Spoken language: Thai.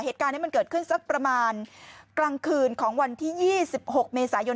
เหตุการณ์นี้มันเกิดขึ้นสักประมาณกลางคืนของวันที่๒๖เมษายน